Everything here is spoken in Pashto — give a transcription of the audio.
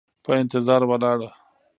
په انتظار ولاړه